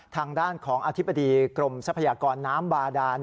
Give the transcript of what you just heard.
ทางด้านของอธิบดีกรมทรัพยากรน้ำบาดา